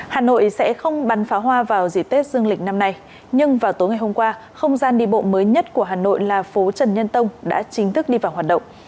hà nội sẽ không bắn pháo hoa vào dịp tết dương lịch năm nay nhưng vào tối ngày hôm qua không gian đi bộ mới nhất của hà nội là phố trần nhân tông đã chính thức đi vào hoạt động